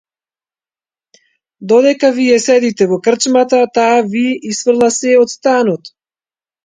Додека вие седите во крчмата, таа да ви исфрла сѐ од станот!